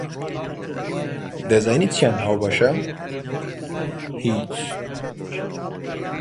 دەزانیت چیان هاوبەشە؟ هیچ!